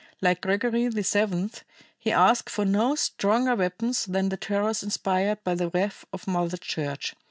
Like Gregory VII, he asked for no stronger weapons than the terrors inspired by the wrath of Mother Church.